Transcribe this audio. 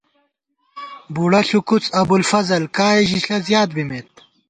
بُوڑہ ݪُوکُوڅ ابُوالفضل ، کائے ژِݪہ زیات بِمېت